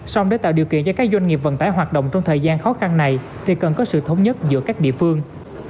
xong để tạo điều kiện cho các doanh nghiệp vận tải hoạt động trong thời gian khó khăn này thì cần có sự thống nhất giữa các địa phương